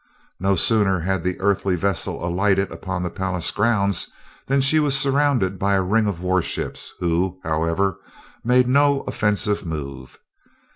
No sooner had the earthly vessel alighted upon the palace grounds than she was surrounded by a ring of warships who, however, made no offensive move.